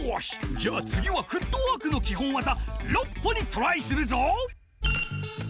じゃあつぎはフットワークのきほんわざ「６歩」にトライするぞ！